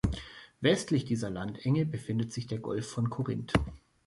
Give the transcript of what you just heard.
Westlich dieser Landenge befindet sich der Golf von Korinth.